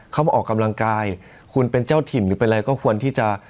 มาออกกำลังกายคุณเป็นเจ้าถิ่นหรือเป็นอะไรก็ควรที่จะ